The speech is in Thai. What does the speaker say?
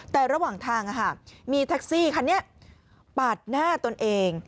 แต่ระหว่างทางมีแท็กซี่คันนี้ปาดหน้าตนเอง